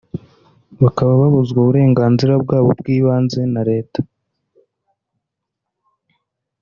bakaba babuzwa uburenganzira bwabo bw’ibanze na Leta